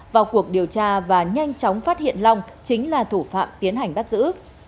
vào cuộc điều tra và nhanh chóng phát hiện long chính là thủ phạm tiến hành bắt giữ